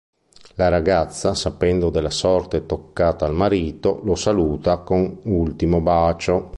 La ragazza sapendo della sorte toccata al marito, lo saluta con ultimo bacio.